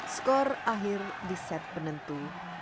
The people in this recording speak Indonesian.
skor akhir di set penentu dua puluh satu dua belas